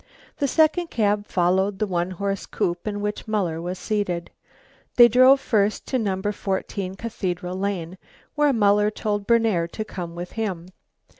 The second cab followed the one horse coupe in which Muller was seated. They drove first to No. 14 Cathedral Lane, where Muller told Berner to come with him.